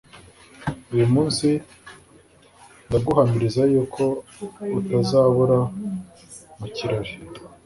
uyu munsi ndaguhamiriza yuko utazabura mu kirori.